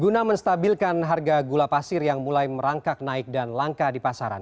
guna menstabilkan harga gula pasir yang mulai merangkak naik dan langka di pasaran